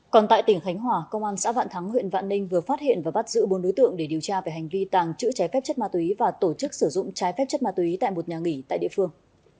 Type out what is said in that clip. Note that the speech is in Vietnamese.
còn tại tỉnh khánh hòa công an xã vạn thắng huyện vạn ninh vừa phát hiện và bắt giữ bốn đối tượng để điều tra về hành vi tàng trữ trái phép chất ma túy và tổ chức sử dụng trái phép chất ma túy tại một nhà nghỉ tại địa phương